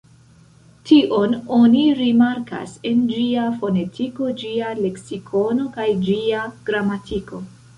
Tion oni rimarkas en ĝia fonetiko, ĝia leksikono kaj ĝia gramatiko.